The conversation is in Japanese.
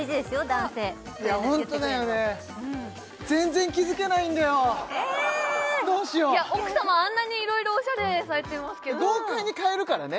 男性いやホントだよね全然気付けないんだよどうしよう奥様あんなにいろいろおしゃれされてますけど豪快に変えるからね